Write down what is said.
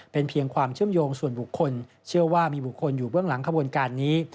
เป็นเพียงความเชื่อมโยงส่วนบุคคลเชื่อว่ามีบุคคลอยู่เบื้องหลังขบวนการนี้